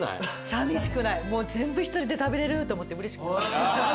さみしくない全部１人で食べれると思ってうれしくなる。